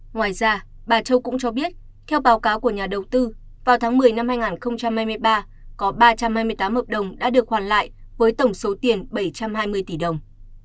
ngoài ra bà châu cũng cho biết theo báo cáo của nhà đầu tư vào tháng một mươi năm hai nghìn hai mươi ba có ba trăm hai mươi tám hợp đồng đã được hoàn lại với tổng số tiền bảy trăm hai mươi tỷ đồng